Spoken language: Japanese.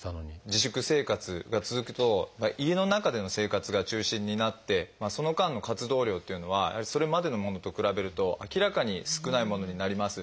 自粛生活が続くと家の中での生活が中心になってその間の活動量っていうのはそれまでのものと比べると明らかに少ないものになります。